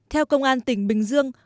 theo công an tỉnh bình dương